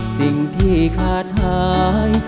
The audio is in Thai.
สิ่งที่ขาดหาย